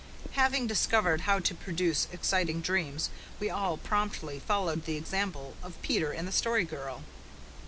Having discovered how to produce exciting dreams, we all promptly followed the example of Peter and the Story Girl.